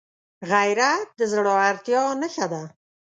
غیرت د زړورتیا نښه ده